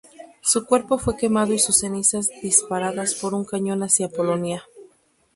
Su cuerpo fue quemado y sus cenizas disparadas por un cañón hacia Polonia.